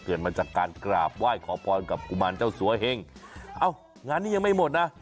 มาจากการกราบไหว้ขอพรกับกุมารเจ้าสัวเหงเอ้างานนี้ยังไม่หมดนะ